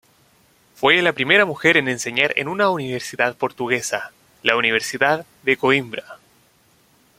Fue la primera mujer en enseñar en una universidad portuguesa, la universidad de Coímbra.